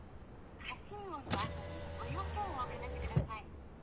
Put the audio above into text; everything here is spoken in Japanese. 発信音の後にご用件をお話しください。